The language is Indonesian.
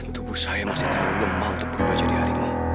tubuh saya masih terlalu lemah untuk berubah jadi harimau